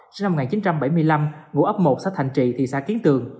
sinh năm một nghìn chín trăm bảy mươi năm ngủ ấp một xã thành trị thị xã kiến tường